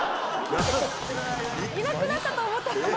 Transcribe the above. いなくなったと思ったらまた。